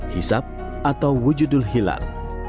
hisap atau wujudul hilal